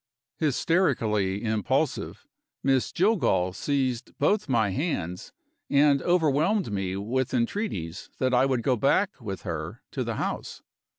Hysterically impulsive, Miss Jillgall seized both my hands, and overwhelmed me with entreaties that I would go back with her to the house.